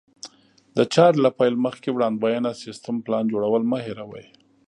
د چارې له پيل مخکې وړاندوینه، سيستم، پلان جوړول مه هېروئ.